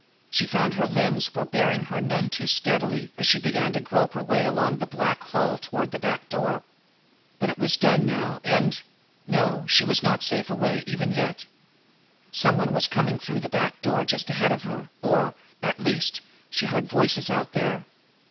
She found her limbs were bearing her none too steadily, as she began to grope her way now along the black hall toward the back door. But it was done now, and No, she was not safe away, even yet! Some one was coming in through that back door just ahead of her; or, at least, she heard voices out there.